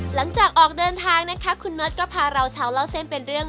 หลังจากออกเดินทางนะคะคุณน็อตก็พาเราชาวเล่าเส้นเป็นเรื่อง